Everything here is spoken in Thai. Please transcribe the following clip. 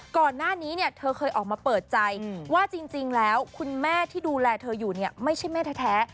ก่อนหน้านี้เนี่ยเธอเคยออกมาเปิดใจว่าจริงแล้วคุณแม่ที่ดูแลเธออยู่เนี่ยไม่ใช่แม่แท้